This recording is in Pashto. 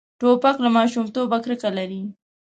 توپک له ماشومتوبه کرکه لري.